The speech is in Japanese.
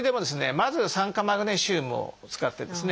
まず酸化マグネシウムを使ってですね